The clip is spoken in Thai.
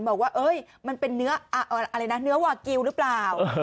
บอกว่ามันเป็นเนื้ออะไรนะเนื้อวากิลหรือเปล่า